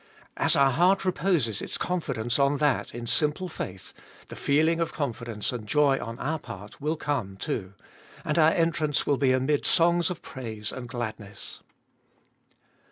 As our heart reposes its confidence on that in simple faith, the feeling of confidence and joy on our part will come too, and our entrance will be amid songs of praise and gladness.